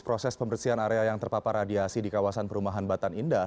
proses pembersihan area yang terpapar radiasi di kawasan perumahan batan indah